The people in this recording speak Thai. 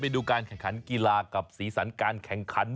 ดูการแข่งขันกีฬากับสีสันการแข่งขัน